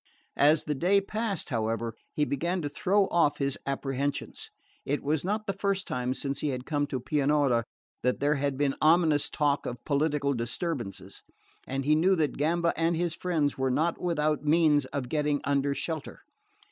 As the day passed, however, he began to throw off his apprehensions. It was not the first time since he had come to Pianura that there had been ominous talk of political disturbances, and he knew that Gamba and his friends were not without means of getting under shelter.